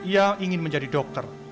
ia ingin menjadi dokter